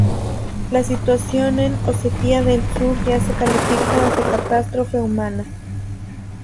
La situación en Osetia del Sur ya se califica de catástrofe humana.